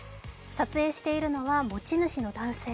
撮影しているのは持ち主の男性。